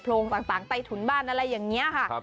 โรงต่างใต้ถุนบ้านอะไรอย่างนี้ค่ะ